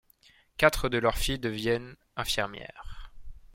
Quatre de leurs filles deviennent infirmières.